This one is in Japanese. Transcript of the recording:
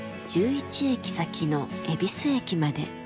１１駅先の恵比寿駅まで。